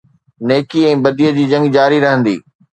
نيڪي ۽ بديءَ جي جنگ جاري رهندي.